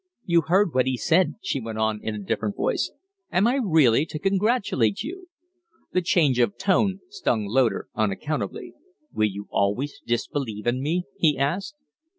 "You heard what he said," she went on, in a different voice. "Am I really to congratulate you?" The change of tone stung Loder unaccountably. "Will you always disbelieve in me?" he asked.